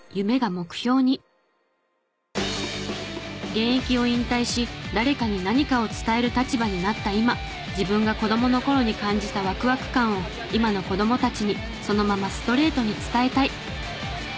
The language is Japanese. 現役を引退し誰かに何かを伝える立場になった今自分が子供の頃に感じたワクワク感を今の子供たちにそのままストレートに伝えたい。